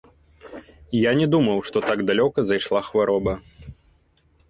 Я не думаў, што так далёка зайшла хвароба.